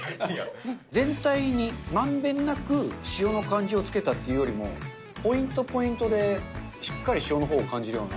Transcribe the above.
全体にまんべんなく塩の感じをつけたっていうよりも、ポイントポイントでしっかり塩のほうを感じるような。